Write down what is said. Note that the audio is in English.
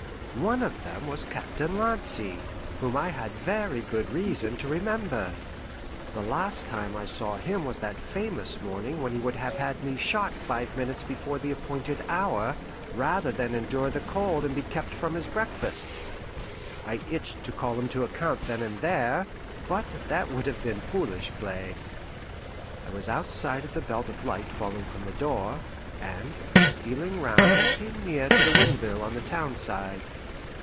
One of them was Captain Lancy, whom I had very good reason to remember. The last time I saw him was that famous morning when he would have had me shot five minutes before the appointed hour, rather than endure the cold and be kept from his breakfast. I itched to call him to account then and there, but that would have been foolish play. I was outside of the belt of light falling from the door, and stealing round I came near to the windmill on the town side.